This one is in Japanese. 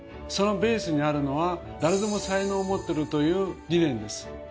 そのベースにあるのは誰でも才能を持ってるという理念です。